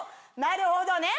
なるほどね！